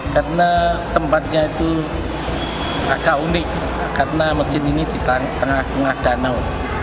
karena tempatnya itu agak unik karena masjid ini di tengah tengah danau